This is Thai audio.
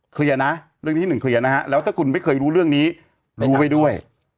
เคลียร์นะเรื่องนี้หนึ่งเคลียร์นะฮะแล้วถ้าคุณไม่เคยรู้เรื่องนี้รู้ไว้ด้วย